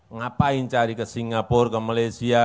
ngapain cari ke singapura ke malaysia